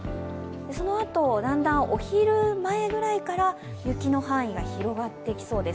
そのあと、だんだんお昼前ぐらいから雪の範囲が広がってきそうです。